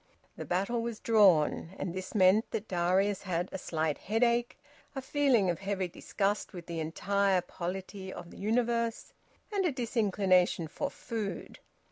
The battle was drawn, and this meant that Darius had a slight headache, a feeling of heavy disgust with the entire polity of the universe, and a disinclination for food.